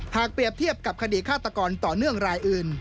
เปรียบเทียบกับคดีฆาตกรต่อเนื่องรายอื่น